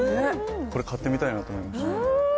これ買ってみたいなと思いますね